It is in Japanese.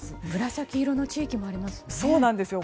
紫色の地域もありますね。